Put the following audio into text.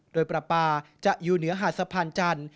โดยปลาปลาจะอยู่เหนือหาดสะพานจันทร์